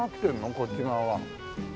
こっち側は。